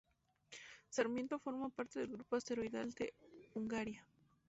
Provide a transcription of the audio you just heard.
Sarmiento forma parte del grupo asteroidal de Hungaria.